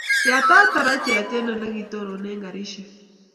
Yatat tarachet eng ole gitonone karishek